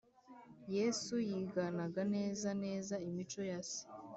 Yesu yiganaga neza neza imico ya se